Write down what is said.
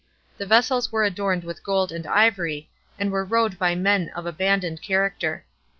* The vessels were adorned with gold and ivory, and were rowed by men oi abandoned character.